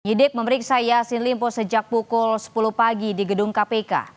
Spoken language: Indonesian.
ydik memeriksa yassin limpo sejak pukul sepuluh pagi di gedung kpk